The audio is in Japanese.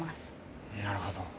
なるほど。